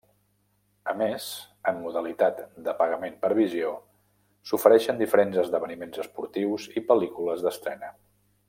A més, en modalitat de pagament per visió, s'ofereixen diferents esdeveniments esportius i pel·lícules d'estrena.